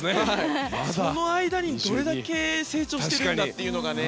その間にどれだけ成長しているんだというのがね